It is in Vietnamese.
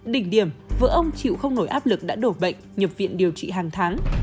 đỉnh điểm vợ ông chịu không nổi áp lực đã đổ bệnh nhập viện điều trị hàng tháng